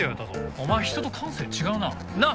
お前人と感性違うな。なあ？